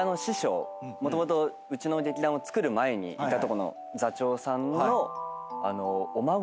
もともとうちの劇団をつくる前にいたとこの座長さんの。